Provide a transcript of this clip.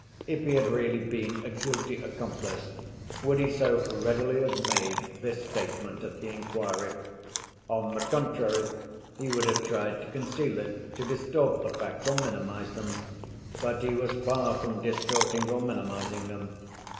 If he had really been a guilty accomplice, would he so readily have made this statement at the inquiry? On the contrary, he would have tried to conceal it, to distort the facts or minimize them. But he was far from distorting or minimizing them.